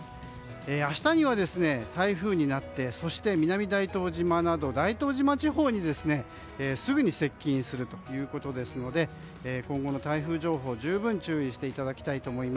明日には台風になってそして南大東島など大東島地方に、すぐに接近するということですので今後の台風情報十分注意してください。